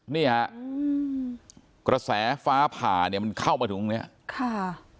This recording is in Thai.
นี่ฮะกระแสฟ้าผ่าเนี่ยมันเข้ามาถึงตรงเนี้ยค่ะ